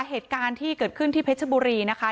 เหตุการณ์ที่เกิดขึ้นที่เพชรบุรีนะคะ